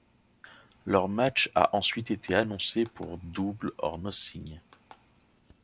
Leur match a ensuite été annoncé pour Double or Nothing.